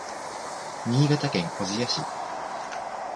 新潟県小千谷市